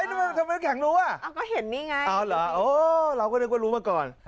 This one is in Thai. ทำไมน้ำแข็งรู้อ่ะก็เห็นนี่ไงอ๋อเหรอเราก็นึกว่ารู้มาก่อน